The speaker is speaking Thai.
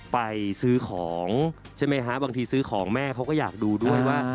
ไปซื้อของใช่ไหมฮะบางทีซื้อของแม่เขาก็อยากดูด้วยว่า